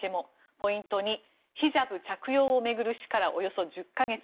ポイント２ヒジャブ着用を巡る死からおよそ１０か月。